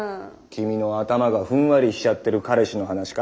君の頭がふんわりしちゃってる彼氏の話か？